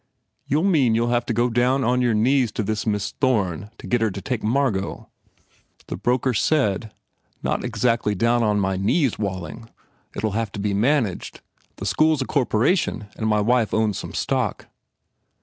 "You mean you ll have to go down on your knees to this Miss Thorne to get her to take Margot?" The broker said, "Not exactly down on my knees, Walling. I ll have it managed. The school s a corporation and my wife owns some stock."